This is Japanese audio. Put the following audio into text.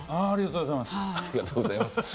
ありがとうございます。